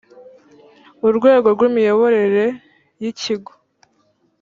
urwego rw’imiyoborere y’ikigo